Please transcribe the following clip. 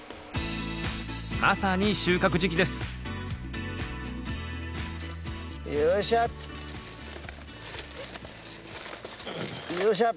まさに収穫時期ですよいしょよいしょ！